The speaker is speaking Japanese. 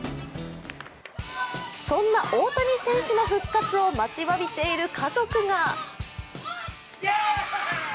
そんな大谷選手の復活を待ちわびている家族が。